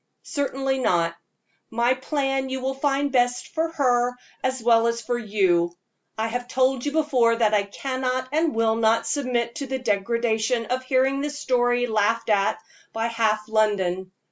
"Certainly not. My plan you will find best for her as well as for you. I have told you before that I cannot and will not submit to the degradation of hearing this story laughed at by half London.